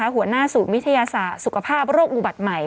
หัวหน้าศูนย์วิทยาศาสตร์สุขภาพโรคอุบัติใหม่